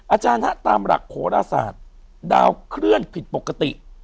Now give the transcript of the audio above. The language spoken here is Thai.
อาจารย์ฮะตามหลักโขรศาสตร์ดาวเคลื่อนผิดปกติ